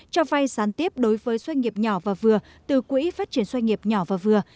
cho vay sán tiếp đối với doanh nghiệp nhỏ và vừa từ quỹ phát triển doanh nghiệp nhỏ và vừa